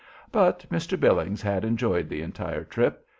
But Mr. Billings had enjoyed the entire trip.